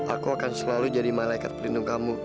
aku akan selalu jadi malaikat pelindung kamu